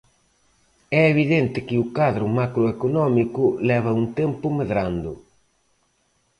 É evidente que o cadro macroeconómico leva un tempo medrando.